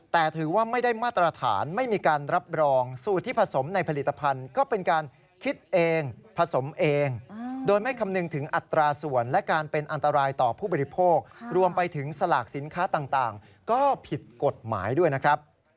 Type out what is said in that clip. แต่ถือว่าไม่ได้มาตรฐานไม่มีการรับรองสูตรที่ผสมในผลิตภัณฑ์ก็เป็นการคิดเองผสมเองโดยไม่คำนึงถึงอัตราส่วนและการเป็นอันตรายต่อผู้บริโภครวมไปถึงสลากสินค้าต่างก็ผิดกฎหมายด้วยนะครับ